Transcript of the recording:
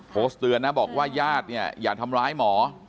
โพสต์เตือนนะบอกว่าญาติเนี่ยอย่าทำร้ายหมอ